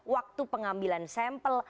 waktu pengambilan sampel